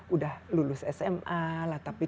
udah lulus sma lah tapi